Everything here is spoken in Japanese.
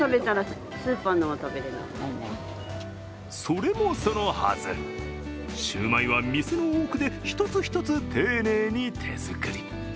それもそのはず、シューマイは店の奥で一つ一つ丁寧に手作り。